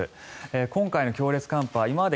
今回の強烈寒波は今まで